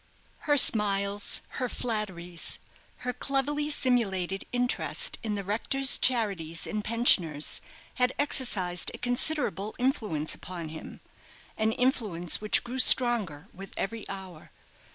Her smiles, her flatteries, her cleverly simulated interest in the rector's charities and pensioners, had exercised a considerable influence upon him an influence which grew stronger with every hour.